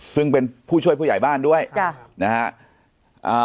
ซึ่งเป็นผู้ช่วยผู้ใหญ่บ้านด้วยจ้ะนะฮะ